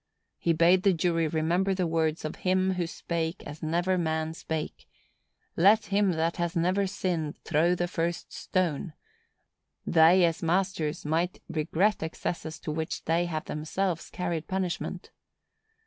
He bade the jury remember the words of Him who spake as never man spake,—"Let him that has never sinned throw the first stone." _They, as masters, might regret excesses to which they have themselves carried punishment.